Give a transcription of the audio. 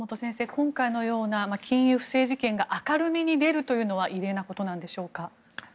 今回のような金融不正事件が明るみに出るというのは異例なことなのでしょうか。